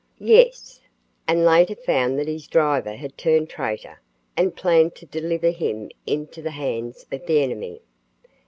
"Yes." "And later found that his driver had turned traitor and planned to deliver him into the hands of the enemy."